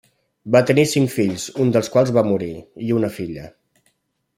Va tenir cinc fills, un dels quals va morir, i una filla.